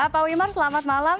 pak wimar selamat malam